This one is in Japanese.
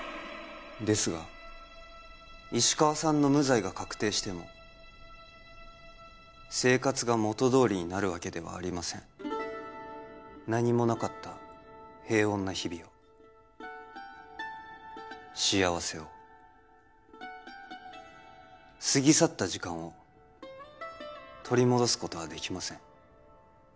ですが石川さんの無罪が確定しても生活が元どおりになるわけではありません何もなかった平穏な日々を幸せを過ぎ去った時間を取り戻すことはできません